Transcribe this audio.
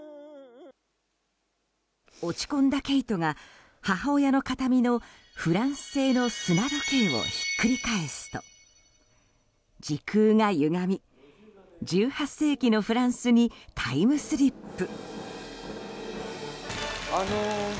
落ち込んだ慧音が母親の形見のフランス製の砂時計をひっくり返すと時空がゆがみ１８世紀のフランスにタイムスリップ。